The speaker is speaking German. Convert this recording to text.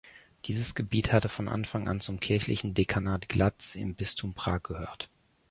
Dieses Gebiet hatte von Anfang an zum kirchlichen Dekanat Glatz im Bistum Prag gehört.